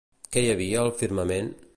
Què hi havia al firmament?